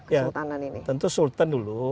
ya tentu sultan dulu